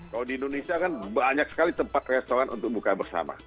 kalau di indonesia kan banyak sekali tempat restoran untuk buka bersama